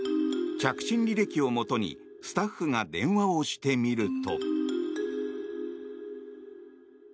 着信履歴をもとにスタッフが電話をしてみると。